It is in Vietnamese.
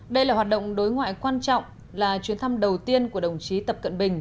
đây là hoạt động đối ngoại quan trọng là chuyến thăm đầu tiên của đồng chí tập cận bình